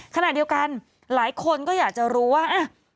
ขณะเดียวกันหลายคนก็อยากจะรู้ว่า